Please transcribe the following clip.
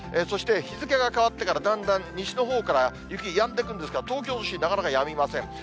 そして日付が変わってからだんだん西のほうから雪、やんでくるんですが、東京都心、なかなかやみません。